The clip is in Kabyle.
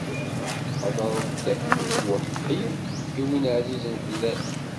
Thedreḍ-d deg uweḥḥi i wid ɛzizen fell-ak.